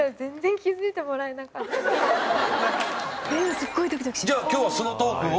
すっごいドキドキします。